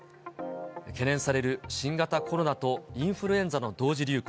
懸念される新型コロナとインフルエンザの同時流行。